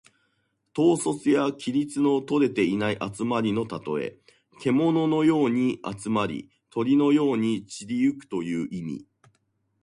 統率や規律のとれていない集まりのたとえ。けもののように集まり、鳥のように散り行くという意味。